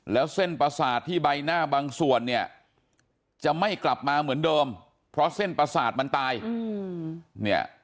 แล้วเส้นประสาทที่ใบหน้าบางส่วนเนี่ยจะไม่กลับมาเหมือนเดิมเพราะเส้นประสาทมันตายเนี่ย